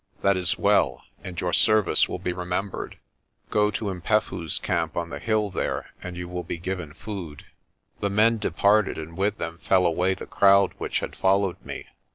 That is well, and your service will be remembered. Go to 'Mpefu's camp on the hill there and you will be given food." The men departed and with them fell away the crowd which had followed me.